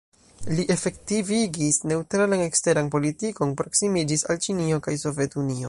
Li efektivigis neŭtralan eksteran politikon, proksimiĝis al Ĉinio kaj Sovetunio.